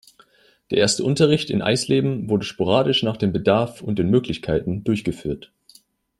Der erste Unterricht in Eisleben wurde sporadisch nach dem Bedarf und den Möglichkeiten durchgeführt.